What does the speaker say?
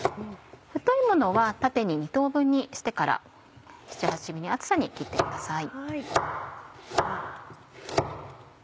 太いものは縦に２等分にしてから７８ｍｍに厚さに切ってください。